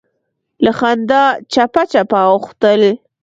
له خندا چپه چپه اوښتل.